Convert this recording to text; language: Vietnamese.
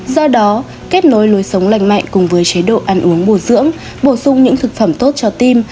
do đó kết nối lối sống lành mạnh cùng với chế độ ăn uống bổ dưỡng bổ sung những thực phẩm tốt cho tim